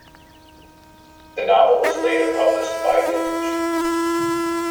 The novel was later published by Vintage.